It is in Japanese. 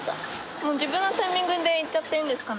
もう自分のタイミングで行っちゃっていいんですかね。